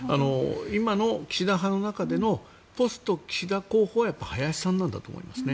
今の岸田派の中でのポスト岸田候補は林さんなんだと思いますね。